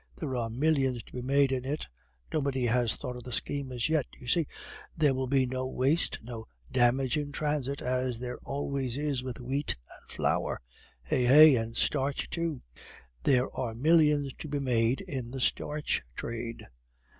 There are millions to be made in it. Nobody has thought of the scheme as yet. You see, there will be no waste, no damage in transit, as there always is with wheat and flour. Hey! hey! and starch too; there are millions to be made in the starch trade!